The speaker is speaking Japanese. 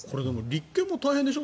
立件も大変でしょ？